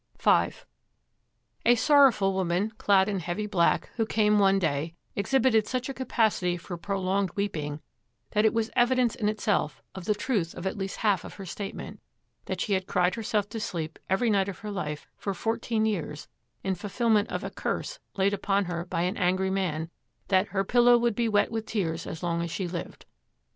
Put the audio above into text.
V A sorrowful woman clad in heavy black, who came one day, exhibited such a capacity for prolonged weeping that it was evidence in itself of the truth of at least half her statement, that she had cried herself to sleep every night of her life for fourteen years in fulfillment of a 'curse' laid upon her by an angry man that 'her pillow would be wet with tears as long as she lived.'